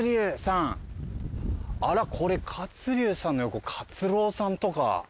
あらこれ活龍さんの横活郎さんとか。